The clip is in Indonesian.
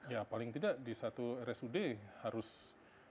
ya paling tidak di satu rsud harus ada hati